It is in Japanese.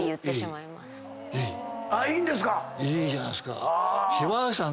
いいじゃないですか！